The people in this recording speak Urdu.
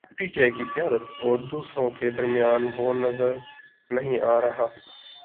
پی ٹی آئی کی قیادت اور دوسروں کے درمیان وہ نظر نہیں آ رہا۔